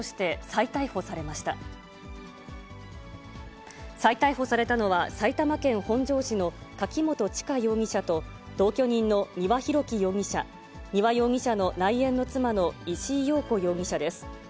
再逮捕されたのは、埼玉県本庄市の柿本知香容疑者と、同居人の丹羽洋樹容疑者、丹羽容疑者の内縁の妻の石井陽子容疑者です。